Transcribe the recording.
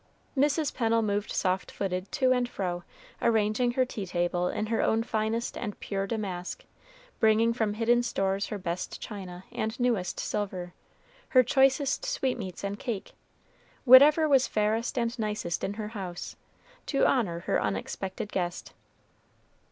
Mrs. Pennel moved soft footed to and fro, arraying her tea table in her own finest and pure damask, and bringing from hidden stores her best china and newest silver, her choicest sweetmeats and cake whatever was fairest and nicest in her house to honor her unexpected guest.